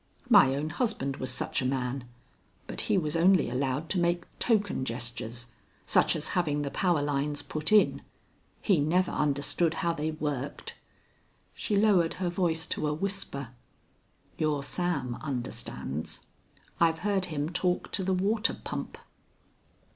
My own husband was such a man, but he was only allowed to make token gestures, such as having the power lines put in. He never understood how they worked." She lowered her voice to a whisper, "Your Sam understands. I've heard him talk to the water pump."